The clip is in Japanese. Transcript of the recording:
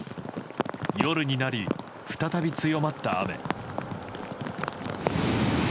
夜になり、再び強まった雨。